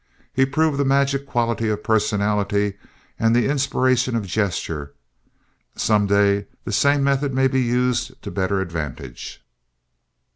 He proved the magic quality of personality and the inspiration of gesture. Some day the same methods may be used to better advantage.